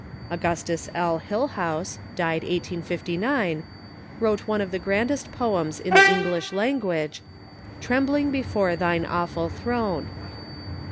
Augustus L. Hillhouse (d. 1859) wrote one of tbe grandest poems in the English language, " Trembling before thine awful throne."